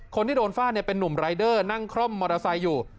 คนที่โดนฟาดเป็นนุ่มรายเดอร์นั่งคล่อมมอเตอร์ไซค์อยู่